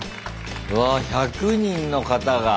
うわあ１００人の方が。